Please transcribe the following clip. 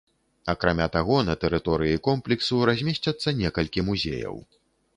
Акрамя таго, на тэрыторыі комплексу размесцяцца некалькі музеяў.